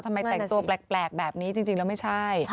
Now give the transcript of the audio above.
ทำไมแต่งตัวแปลกแบบนี้จริงแล้วไม่ใช่